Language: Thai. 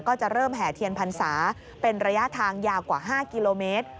ก็จะเริ่มแห่เทียนพรรษาเป็นระยะทางยาวกว่า๕กิโลเมตร